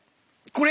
これ。